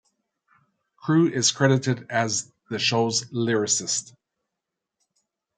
Crewe is credited as the show's lyricist.